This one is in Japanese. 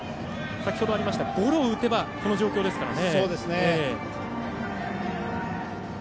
先ほどありましたゴロを打てばこの状況ですからね。